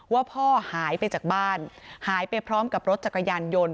ว่าพ่อหายไปจากบ้านหายไปพร้อมกับรถจักรยานยนต์